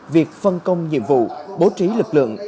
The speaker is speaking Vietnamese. việc phân công nhiệm vụ bố trí lực lượng